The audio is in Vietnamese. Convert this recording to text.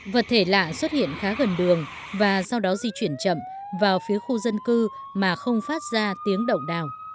vật thể lạ xuất hiện khá gần đường và sau đó di chuyển chậm vào phía khu dân cư mà không phát ra tiếng động đào